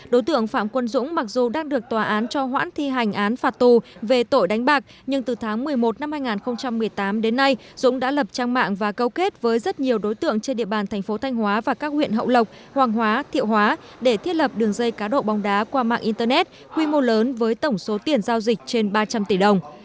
đối tượng phạm quân dũng mặc dù đang được tòa án cho hoãn thi hành án phạt tù về tội đánh bạc nhưng từ tháng một mươi một năm hai nghìn một mươi tám đến nay dũng đã lập trang mạng và câu kết với rất nhiều đối tượng trên địa bàn thành phố thanh hóa và các huyện hậu lộc hoàng hóa thiệu hóa để thiết lập đường dây cá độ bóng đá qua mạng internet quy mô lớn với tổng số tiền giao dịch trên ba trăm linh tỷ đồng